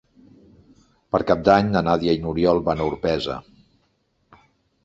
Per Cap d'Any na Nàdia i n'Oriol van a Orpesa.